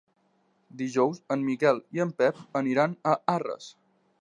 Dijous en Miquel i en Pep aniran a Arres.